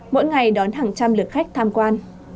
mỗi ngày đón hàng trăm lượt khách tham quan